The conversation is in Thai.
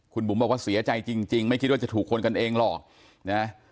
คุณบุ๋มบอกว่าเสียใจจริงไม่คิดว่าจะถูกคนกันเองหรอกนะ